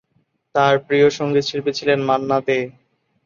তার প্রিয় সংগীতশিল্পী ছিলেন মান্না দে।